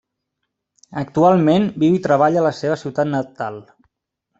Actualment viu i treballa a la seva ciutat natal.